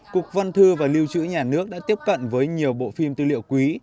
cụ văn thư và lưu chữ nhà nước đã tiếp cận với nhiều bộ phim tư liệu quý